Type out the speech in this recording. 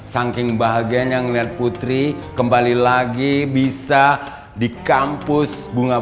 saking bahagianya melihat putri kembali lagi bisa di kampus bunga